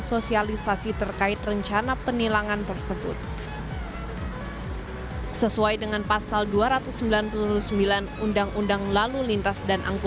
sosialisasi terkait rencana penilangan tersebut sesuai dengan pasal dua ratus sembilan puluh sembilan undang undang lalu lintas